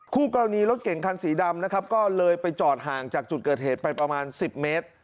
คู่กรณีรถเก่งคันสีดำนะครับก็เลยไปจอดห่างจากจุดเกิดเหตุไปประมาณ๑๐เมตร